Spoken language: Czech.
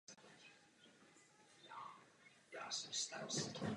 Její obnova je v současnosti předmětem politických diskusí.